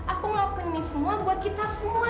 aku ngelakuin nih semua buat kita semua